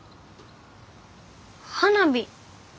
花火。